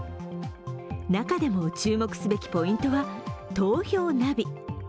中でも注目すべきポイントは投票ナビ。